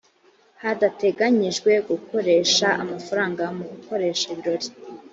hadateganijwe gukoresha amafaranga mu gukoresha ibirori